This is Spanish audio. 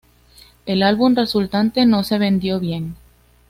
El álbum resultante no se vendió bien.